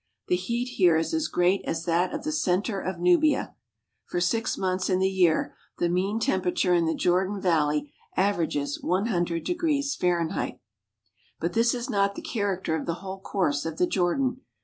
The heat here is as great as that of the centre of Nubia. For six months in the year the mean temperature in the Jordan Valley averages ioo° Fahrenheit. But this is not the character of the whole course of the Jordan.